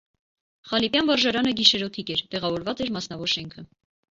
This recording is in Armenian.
Խալիպեան վարժարանը գիշերօրթիկ էր, տեղաւորուած էր մասնաւոր շենքը։